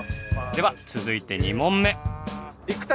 では続いて２問目。